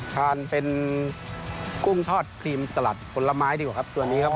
ทานเป็นกุ้งทอดครีมสลัดผลไม้ดีกว่าครับตัวนี้ครับ